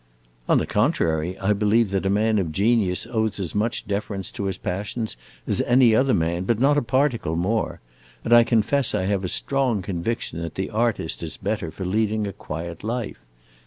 "On the contrary, I believe that a man of genius owes as much deference to his passions as any other man, but not a particle more, and I confess I have a strong conviction that the artist is better for leading a quiet life.